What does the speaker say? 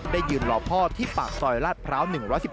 ยืนรอพ่อที่ปากซอยลาดพร้าว๑๑๒